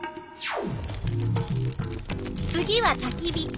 次はたき火。